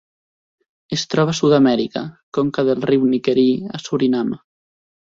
Es troba a Sud-amèrica: conca del riu Nickerie a Surinam.